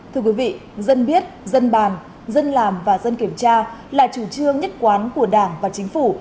thưa quý vị dân biết dân bàn dân làm và dân kiểm tra là chủ trương nhất quán của đảng và chính phủ